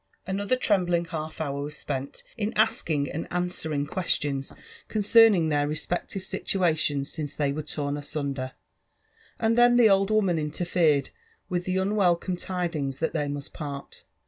Another trembling half hour was spent in asking and answering JONATHAN JEFFERSON WHITLAW. 173 qaiestions concerning their respective situations stnde they irere torn asunder; and then the old woman interfered, with the unwelcome tidmgs that they must part.